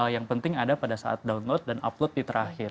yang penting ada pada saat download dan upload di terakhir